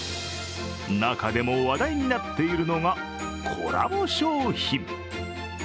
中でも話題になっているのがコラボ商品。